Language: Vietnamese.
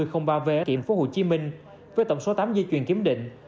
trung tâm đăng kiểm phố hồ chí minh với tổng số tám di chuyển kiểm định